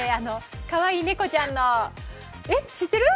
かわいい猫ちゃんの、知ってる？